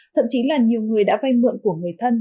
thậm chí là nhiều người đã vay mượn của người thân